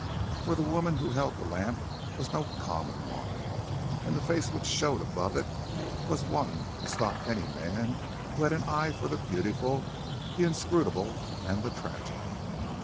For the woman who held the lamp was no common one, and the face which showed above it was one to stop any man who had an eye for the beautiful, the inscrutable, and the tragic.